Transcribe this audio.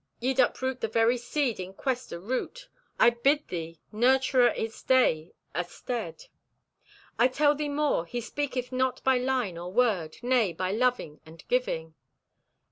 "Ye'd uproot the very seed in quest o' root! I bid thee nurture o' its day astead. "I tell thee more: He speaketh not by line or word; Nay, by love and giving.